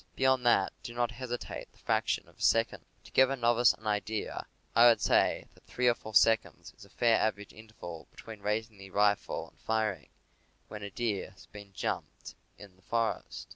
Beyond that, do not hesitate the fraction of a second. To give a novice an idea, I would say that three or four seconds is a fair average interval between raising the rifle and firing, when a deer has been jumped in the forest.